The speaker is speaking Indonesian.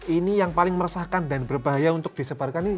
ini yang paling meresahkan dan berbahaya untuk disebarkan ini